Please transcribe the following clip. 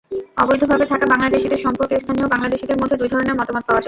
অবৈধভাবে থাকা বাংলাদেশিদের সম্পর্কে স্থানীয় বাংলাদেশিদের মধ্যে দুই ধরনের মতামত পাওয়া যায়।